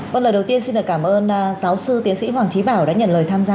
vâng lời đầu tiên xin được cảm ơn giáo sư tiến sĩ hoàng trí bảo đã nhận lời tham gia